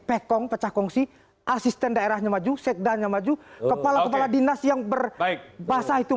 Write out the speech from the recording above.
pekong pecahkongsi asisten daerahnya maju sekdanya maju kepala kepala dinas yang berbaik bahasa itu